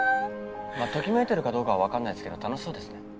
まあときめいてるかどうかはわかんないですけど楽しそうですね。